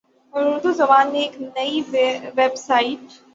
اور اردو زبان میں ایک نئی ویب سائٹ